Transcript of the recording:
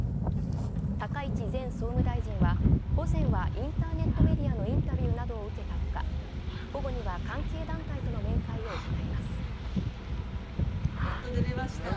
高市前総務大臣は、午前はインターネットネディアのインタビューなどを受けたほか、午後には関係団体との面会を行います。